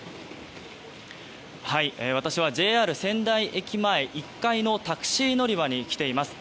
私はＪＲ仙台駅前１階のタクシー乗り場に来ています。